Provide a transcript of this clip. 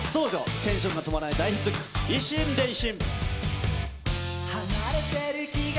テンションが止まらない大ヒット曲、以心電信。